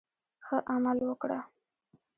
ښه عمل وکړه.